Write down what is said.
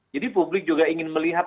jadi publik juga ingin melihat